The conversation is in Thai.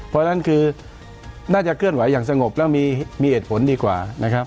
เพราะฉะนั้นคือน่าจะเคลื่อนไหวอย่างสงบแล้วมีเหตุผลดีกว่านะครับ